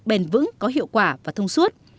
bền vững có hiệu quả và thông suốt